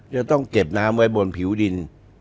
จะต้องเก็บน้ำไว้บนผิวดิน